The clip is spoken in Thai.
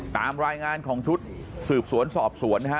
ตามรายงานของสืบศวรรษสอบศวรษนะฮะ